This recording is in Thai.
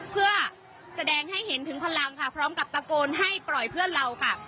เพื่อแสดงให้เห็นถึงพลังค่ะพร้อมกับตะโกนให้ปล่อยเพื่อนเราค่ะ